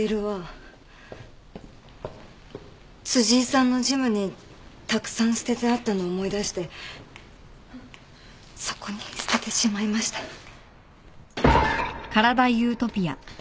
井さんのジムにたくさん捨ててあったのを思い出してそこに捨ててしまいました。